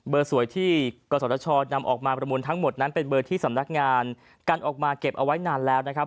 สวยที่กศชนำออกมาประมูลทั้งหมดนั้นเป็นเบอร์ที่สำนักงานกันออกมาเก็บเอาไว้นานแล้วนะครับ